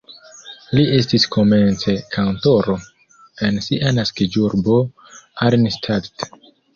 Li estis komence kantoro en sia naskiĝurbo Arnstadt.